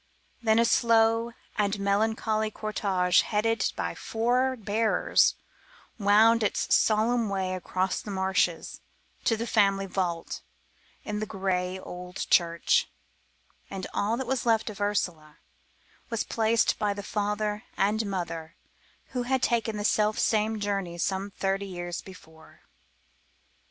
Then a slow and melancholy cortege headed by four bearers wound its solemn way across the marshes to the family vault in the grey old church, and all that was left of Ursula was placed by the father and mother who had taken that self same journey some thirty years before.